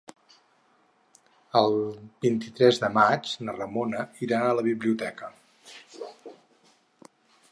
El vint-i-tres de maig na Ramona irà a la biblioteca.